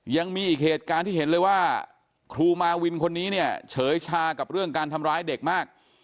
ยังมีอีกเหตุการณ์ที่เห็นเลยว่าครูมาวินคนนี้เนี่ยเฉยชากับเรื่องการทำร้ายเด็กมาก